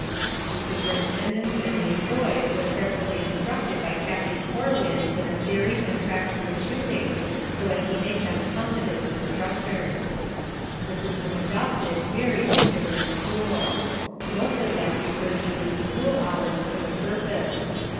The superintendent and these boys were carefully instructed by Captain Corwin in the theory and practice of shooting, so as to make them competent instructors. The system adopted varied in the different schools. Most of them preferred to use school hours for the purpose.